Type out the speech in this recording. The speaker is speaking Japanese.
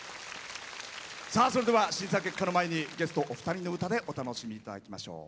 さあそれでは審査結果の前にゲストお二人の歌でお楽しみ頂きましょう。